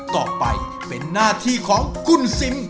ต่อไปเป็นหน้าที่ของคุณซิม